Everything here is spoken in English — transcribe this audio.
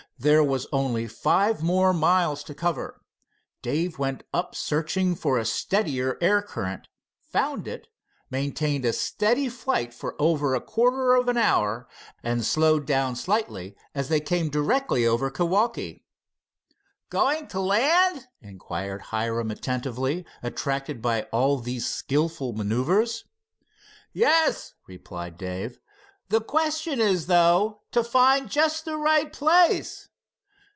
There was only five more miles to cover. Dave went up searching for a steadier air current, found it, maintained a steady flight for over a quarter of an hour, and slowed down slightly as they came directly over Kewaukee. "Going to land?" inquired Hiram, attentively attracted by all these skillful maneuvers. "Yes," replied Dave. "The question is, though, to find just the right place."